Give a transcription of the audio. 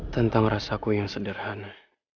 tentang rasaku yang sederhana